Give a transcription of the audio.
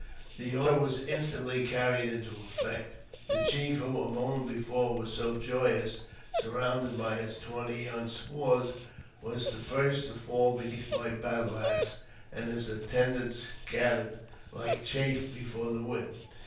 The order was instantly carried into effect. The chief who, a moment before, was so joyous, surrounded by his tawny young squaws, was the first to fall beneath my battle axe, and his attendants scattered like chaff before the wind.